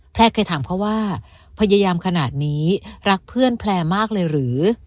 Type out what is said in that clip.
เคยถามเขาว่าพยายามขนาดนี้รักเพื่อนแพลร์มากเลยหรือ